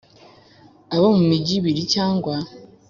Abo mu migi ibiri cyangwa